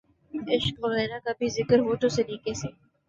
عشق وغیرہ کا بھی ذکر ہو تو سلیقے سے۔